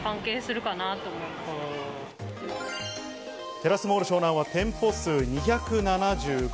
テラスモール湘南は店舗数２７５。